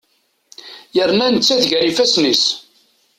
Yerna nettat gar ifasen-is.